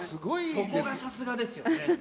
そこがさすがですよね。